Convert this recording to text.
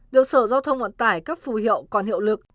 được sở giao thông vận tải cấp phù hiệu còn hiệu lực